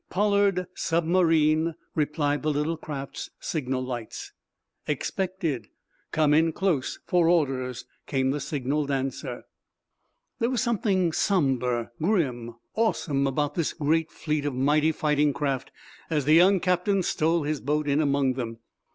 "Pollard, submarine," replied the little craft's signal lights. "Expected. Come in close for orders," came the signaled answer. There was something sombre, grim, awesome about this great fleet of mighty fighting craft as the young captain stole his boat in among them.